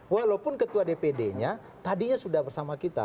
walaupun ketua dpd nya tadinya sudah bersama kita